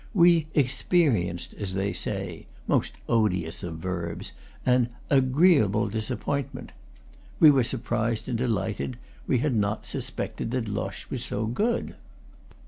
We "experienced," as they say, (most odious of verbs!) an "agreeable disappointment." We were surprised and delighted; we had not suspected that Loches was so good.